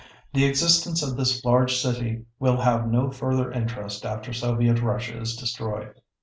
The existence of this large city will have no further interest after Soviet Russia is destroyed.